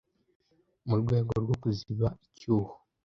mu rwego rwo kuziba icyuho